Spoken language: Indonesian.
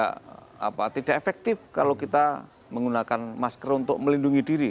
karena virus corona tidak efektif kalau kita menggunakan masker untuk melindungi diri